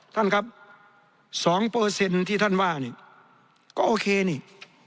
ท่านครับ๒ที่ท่านว่านี่ก็โอเคนี่